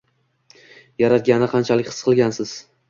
Yaratganni qanchalik his qilsangiz.